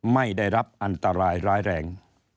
ไม่ได้รับอันตรายร้ายแรง